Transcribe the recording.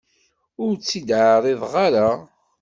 Ur tt-id-ɛriḍeɣ ara.